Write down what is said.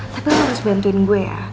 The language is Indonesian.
tapi aku harus bantuin gue ya